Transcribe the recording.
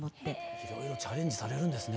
いろいろチャレンジされるんですね。